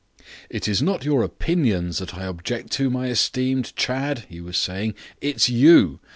"It's not your opinions that I object to, my esteemed Chadd," he was saying, "it's you.